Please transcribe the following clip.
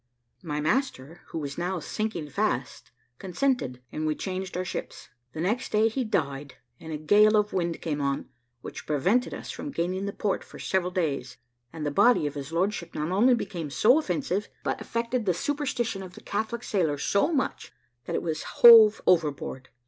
My master, who was now sinking fast, consented, and we changed our ships. The next day he died, and a gale of wind came on, which prevented us from gaining the port for several days, and the body of his lordship not only became so offensive, but affected the superstition of the Catholic sailors so much, that it was hove overboard.